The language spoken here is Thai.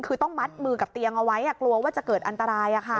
คือต้องมัดมือกับเตียงเอาไว้กลัวว่าจะเกิดอันตราย